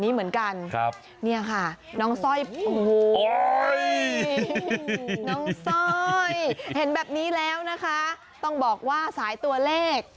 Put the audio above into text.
เห็นแบบนี้แล้วนะคะต้องบอกว่าสายตัวเลข